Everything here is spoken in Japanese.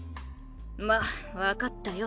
まっ分かったよ。